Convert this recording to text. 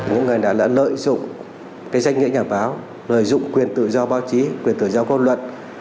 những người đã lợi dụng danh nghĩa nhà báo lợi dụng quyền tự do báo chí quyền tự do con luật